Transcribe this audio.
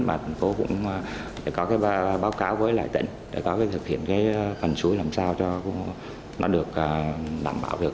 mà thành phố cũng có báo cáo với lại tỉnh để có thể thực hiện phần số làm sao cho nó được đảm bảo được